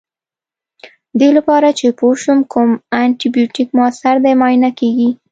دې لپاره چې پوه شو کوم انټي بیوټیک موثر دی معاینه کیږي.